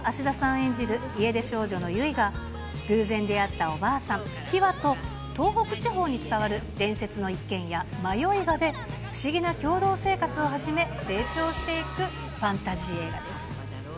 演じる家出少女のユイが、偶然出会ったおばあさん、キワと東北地方に伝わる伝説の一軒家、マヨイガで、不思議な共同生活を始め、成長していくファンタジー映画です。